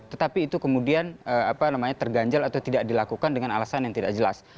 tetapi itu kemudian terganjal atau tidak dilakukan dengan alasan yang tidak jelas